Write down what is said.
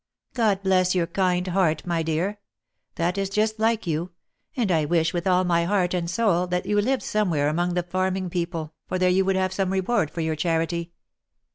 " God bless your kind heart, my dear ! That is just like you, and I wish with all my heart and soul, that you lived somewhere among the farming people, for there you would have some reward for your charity.